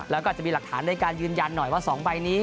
แล้วก็อาจจะมีหลักฐานในการยืนยันหน่อยว่า๒ใบนี้